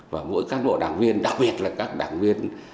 và mỗi cán bộ đảng viên đặc biệt là các đảng viên